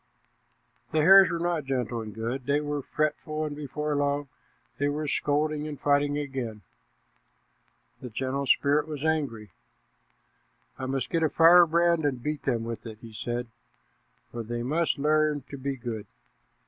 The hares were not gentle and good; they were fretful, and before long they were scolding and fighting again. The gentle spirit was angry. "I must get a firebrand and beat them with it," he said, "for they must learn to be good."